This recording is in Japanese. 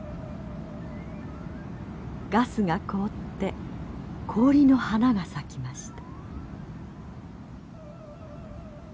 ガスが凍って氷の花が咲きました。